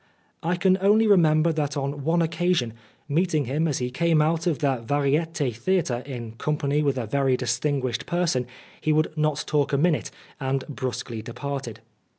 I can only remem ber that on one occasion, meeting him as he came out of the Variet6s Theatre in company with a very distinguished person, he would not talk a minute, and brusquely departed.